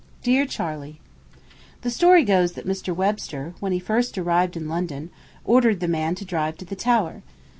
DEAR CHARLEY: The story goes that Mr. Webster, when he first arrived in London, ordered the man to drive to the Tower.